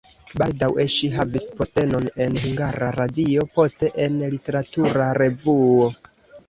Baldaŭe ŝi havis postenon en Hungara Radio, poste en literatura revuo.